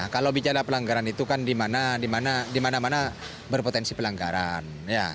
kalau bicara pelanggaran itu kan di mana mana berpotensi pelanggaran